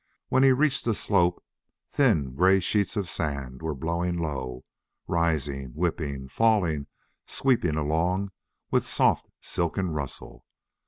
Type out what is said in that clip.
When he reached the slope thin gray sheets of sand were blowing low, rising, whipping, falling, sweeping along with soft silken rustle.